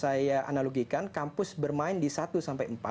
tapi di situ kita analogikan kampus bermain di satu sampai empat